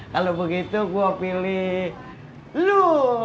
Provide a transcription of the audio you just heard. kalau begitu gue pilih lu